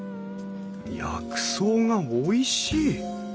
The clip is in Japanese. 薬草がおいしい！